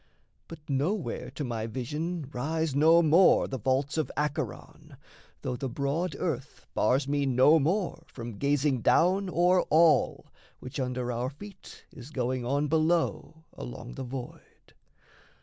But nowhere to my vision rise no more The vaults of Acheron, though the broad earth Bars me no more from gazing down o'er all Which under our feet is going on below Along the void.